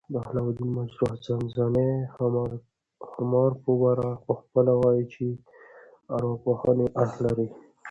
بهاوالدین مجروح د ځانځانۍ ښامارپه باره پخپله وايي، چي ارواپوهني اړخ لري.